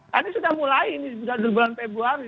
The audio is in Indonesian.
tadi sudah mulai ini sudah di bulan februari